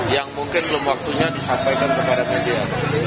yang mungkin belum waktunya disampaikan kepada media